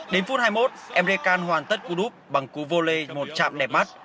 đến phút hai mươi một emre can hoàn tất cú đúp bằng cú vô lê một chạm đẹp mắt